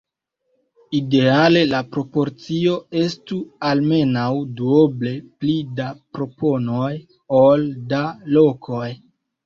Ideale la proporcio estu almenaŭ duoble pli da proponoj ol da lokoj.